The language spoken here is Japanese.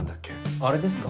あれですか？